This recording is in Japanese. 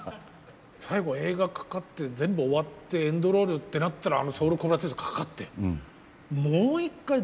最後映画かかって全部終わってエンドロールってなったら「Ｓｏｕｌコブラツイスト」かかって。